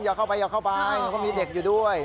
อย่าเข้าไปอย่าเข้าไปแล้วก็มีเด็กอยู่ด้วย